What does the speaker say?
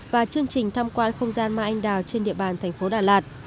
và chương trình tham quan không gian mai anh đào trên địa bàn thành phố đà lạt